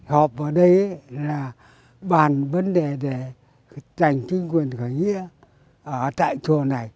họp ở đây là bàn vấn đề để trành chứng quyền khởi nghĩa ở tại chùa này